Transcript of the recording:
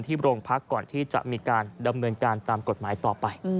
โรงพักก่อนที่จะมีการดำเนินการตามกฎหมายต่อไป